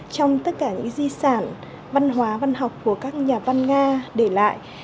trong tất cả những di sản văn hóa văn học của các nhà văn nga để lại